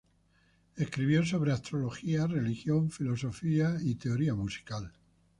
Escribió sobre astrología, religión, filosofía y teoría musical.